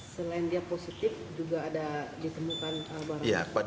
selain dia positif juga ada ditemukan barang